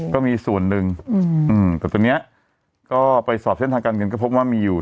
ก็มีส่วนหนึ่งแต่ตอนนี้ก็ไปสอบเส้นทางการเงินก็พบว่ามีอยู่